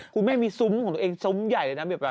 คุณแม่มีซุ้มของตัวเองซุ้มใหญ่เลยนะ